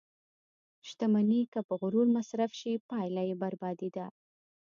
• شتمني که په غرور مصرف شي، پایله یې بربادي ده.